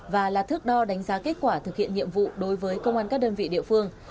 và là thước đo đánh giá kết quả thực hiện nhiệm vụ đối với công an các đơn vị địa phương